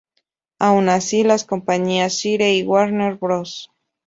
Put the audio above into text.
Aun así, las compañías Sire y Warner Bros.